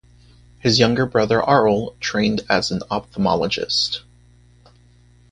His younger brother Aurel trained as an ophthalmologist.